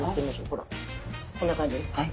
ほらこんな感じ。